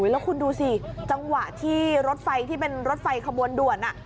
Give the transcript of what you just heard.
แล้วคุณดูสิจังหวะที่รถไฟที่เป็นรถไฟขบวนด่วน